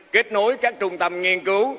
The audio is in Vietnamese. kết nối các trung tâm nghiên cứu